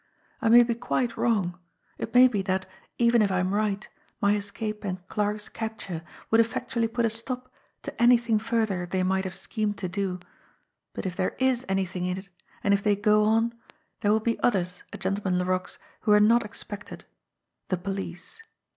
I may be quite wrong; it may be that, even if I am right, my escape and Clarke's capture would effectually put a stop to anything further they might have schemed to do; but if there is anything in it, and if they go on, there will be others at Gentleman Laroque's who are not ex pectedthe police.